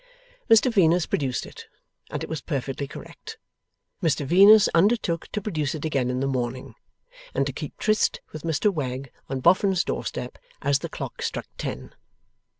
Mr Venus produced it, and it was perfectly correct; Mr Venus undertook to produce it again in the morning, and to keep tryst with Mr Wegg on Boffin's doorstep as the clock struck ten.